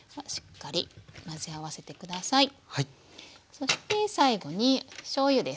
そして最後にしょうゆです。